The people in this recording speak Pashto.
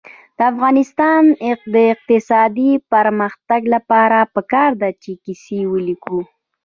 د افغانستان د اقتصادي پرمختګ لپاره پکار ده چې کیسې ولیکو.